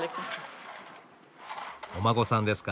お孫さんですか。